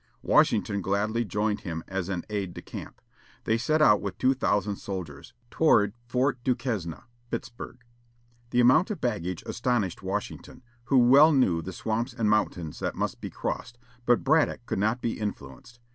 Washington gladly joined him as an aide de camp. They set out with two thousand soldiers, toward Fort du Quesne (Pittsburg). The amount of baggage astonished Washington, who well knew the swamps and mountains that must be crossed, but Braddock could not be influenced.